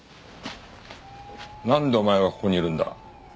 なんでお前がここにいるんだ。